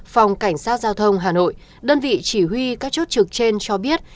phòng cảnh sát giao thông hà nội đơn vị chỉ huy các chốt trực trên cho biết